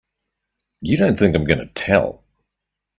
You don't think I'm gonna tell!